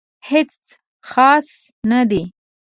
هیڅ خاص نه دي